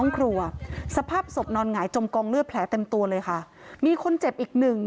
กองเลือดแผลเต็มตัวเลยค่ะมีคนเจ็บอีกหนึ่ง